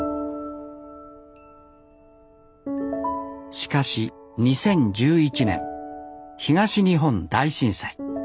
しかし２０１１年東日本大震災。